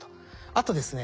あとですね